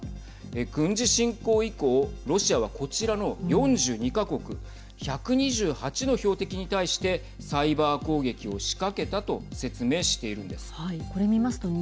軍事侵攻以降ロシアはこちらの４２か国１２８の標的に対してサイバー攻撃を仕掛けたと説明しているんです。